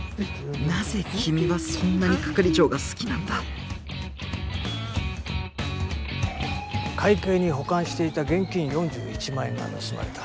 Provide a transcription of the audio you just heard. なぜ君はそんなに係長が好きなんだ会計に保管していた現金４１万円が盗まれた。